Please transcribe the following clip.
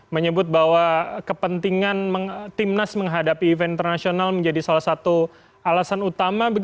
menyebut bahwa kepentingan timnas menghadapi event internasional menjadi salah satu alasan utama